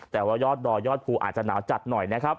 แต่ว่ายอดดอยยอดภูอาจจะหนาวจัดหน่อยนะครับ